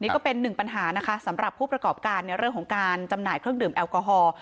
นี่ก็เป็นหนึ่งปัญหานะคะสำหรับผู้ประกอบการในเรื่องของการจำหน่ายเครื่องดื่มแอลกอฮอล์